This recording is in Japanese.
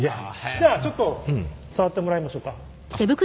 じゃあちょっと触ってもらいましょうか。